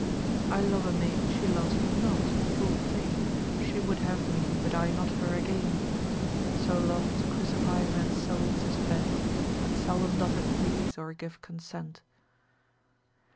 I love a maid, she loves me not: full fain She would have me, but I not her again; So love to crucify men's souls is bent: But seldom doth it please or give consent.